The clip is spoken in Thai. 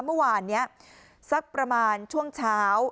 เมื่อวานนี้สักประมาณช่วงเช้า